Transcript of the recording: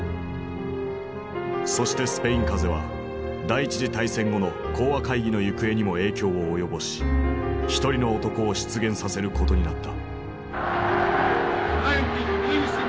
そしてスペイン風邪は第一次大戦後の講和会議の行方にも影響を及ぼし一人の男を出現させることになった。